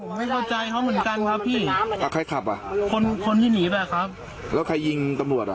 ผมไม่เข้าใจเขาเหมือนกันครับพี่อ่าใครขับอ่ะคนคนที่หนีไปครับแล้วใครยิงตำรวจอ่ะ